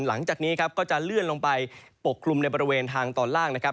หลังจากนี้ครับก็จะเลื่อนลงไปปกคลุมในบริเวณทางตอนล่างนะครับ